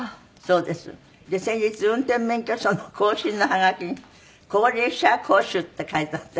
で先日運転免許証の更新のハガキに高齢者講習って書いてあって。